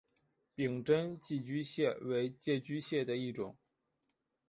柄真寄居蟹为寄居蟹的一种。